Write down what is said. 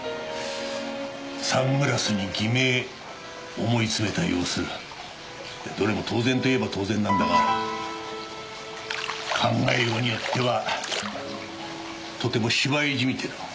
サングラスに偽名思いつめた様子どれも当然といえば当然なんだが考えようによってはとても芝居じみている。